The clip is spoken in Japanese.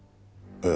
ええ。